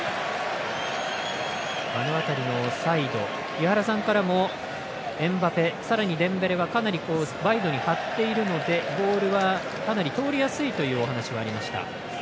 井原さんからもエムバペさらにデンベレはかなりワイドに張っているのでボールはかなり通りやすいというお話はありました。